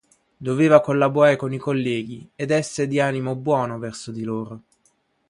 Doveva collaborare con i colleghi ed essere di animo buono verso di loro.